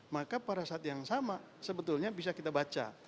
maka pada saat yang sama sebetulnya bisa kita baca